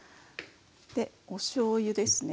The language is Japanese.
でおしょうゆですね。